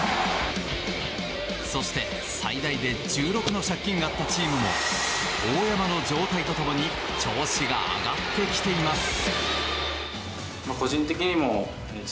そして最大で１６の借金があったチームも大山の状態と共に調子が上がってきています。